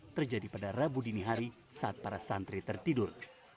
terjadi pada rabu dini hari saat para santri tertidur